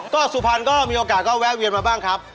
ก็สุพรรณก็มีโอกาสก็แวะเวียนมาบ้างครับ